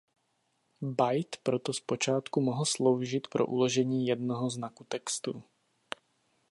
Bajt proto zpočátku mohl sloužit pro uložení jednoho znaku textu.